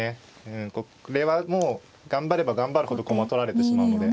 うんこれはもう頑張れば頑張るほど駒取られてしまうので。